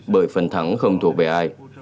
bởi phần thắng không thuộc về ai